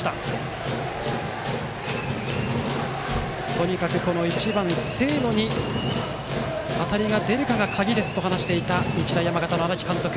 とにかく１番、清野に当たりが出るかが鍵ですと話していた日大山形の荒木監督。